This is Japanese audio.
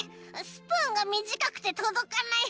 スプーンがみじかくてとどかない。